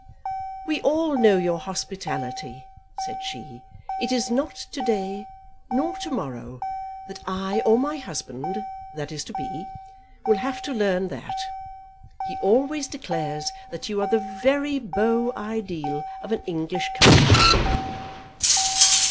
"We all know your hospitality," said she; "it is not to day nor to morrow that I or my husband, that is to be, will have to learn that. He always declares that you are the very beau ideal of an English country gentleman."